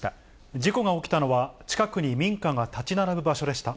事故が起きたのは、近くに民家が建ち並ぶ場所でした。